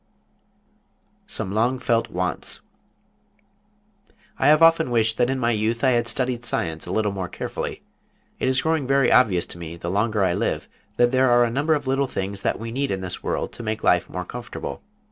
SOME LONG FELT WANTS I have often wished that in my youth I had studied science a little more carefully. It is growing very obvious to me the longer I live that there are a number of little things that we need in this world to make life more comfortable.